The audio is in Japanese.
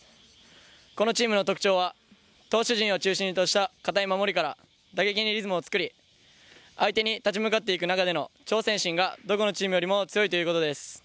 このチームの特徴は投手陣を中心とした堅い守りから打撃にリズムを作り相手に立ち向かっていく中での挑戦心がどこのチームよりも強いということです。